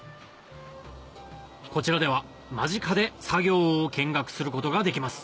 こちらでは間近で作業を見学することができます